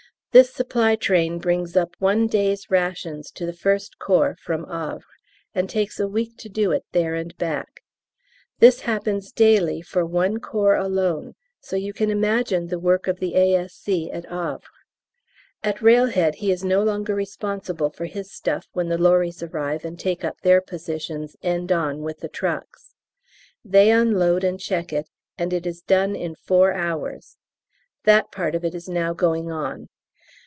This supply train brings up one day's rations to the 1st Corps from Havre, and takes a week to do it there and back. This happens daily for one corps alone, so you can imagine the work of the A.S.C. at Havre. At railhead he is no longer responsible for his stuff when the lorries arrive and take up their positions end on with the trucks. They unload and check it, and it is done in four hours. That part of it is now going on.